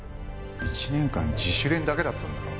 １年間自主練だけだったんだろ？